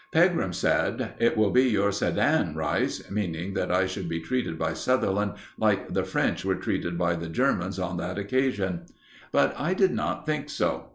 Pegram said: "It will be your Sedan, Rice," meaning that I should be treated by Sutherland like the French were treated by the Germans on that occasion. But I did not think so.